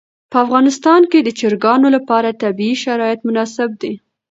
په افغانستان کې د چرګانو لپاره طبیعي شرایط مناسب دي.